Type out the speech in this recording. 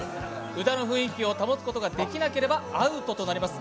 歌の雰囲気を保つことができなければアウトとなります。